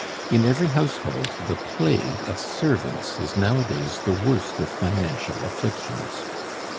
In every household the plague of servants is nowadays the worst of financial afflictions.